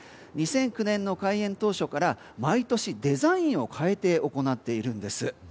２００９年の開園当初から毎年デザインを変えて行っているんです。